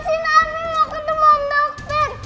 abi mau ke rumah dokter